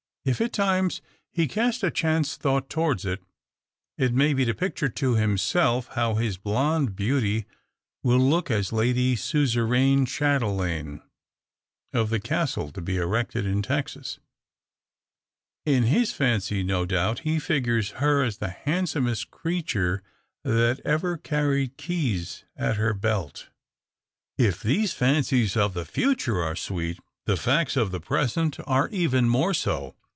If, at times, he cast a chance thought towards it, it may be to picture to himself how his blonde beauty will look as lady suzeraine chatelaine of the castle to be erected in Texas. In his fancy, no doubt, he figures her as the handsomest creature that ever carried keys at her belt. If these fancies of the future are sweet, the facts of the present are even more so.